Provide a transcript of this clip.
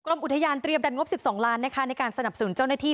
อุทยานเตรียมดันงบ๑๒ล้านนะคะในการสนับสนุนเจ้าหน้าที่